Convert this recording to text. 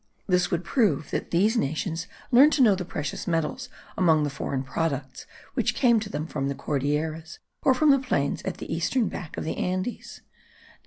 This would prove that these nations learned to know the precious metals among the foreign products which came to them from the Cordilleras,* or from the plains at the eastern back of the Andes.